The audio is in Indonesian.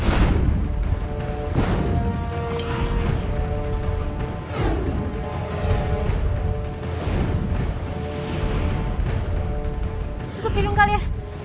tutup hidung kalian